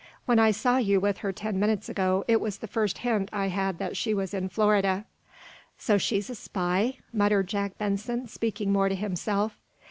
When I saw you with her ten minutes ago it was the first hint I had that she was in Florida." "So she's a spy?" muttered Jack Benson, speaking more to himself.